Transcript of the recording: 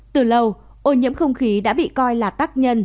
từ lâu ô nhiễm không khí đã bị coi là tác nhân